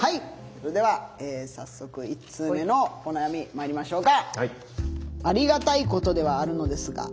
それでは早速１通目のお悩みまいりましょうか。